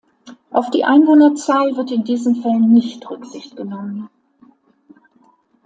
Auf die Einwohnerzahl wird in diesen Fällen nicht Rücksicht genommen.